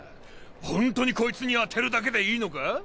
ホントにこいつに当てるだけでいいのか？